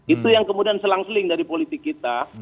itu yang kemudian selang seling dari politik kita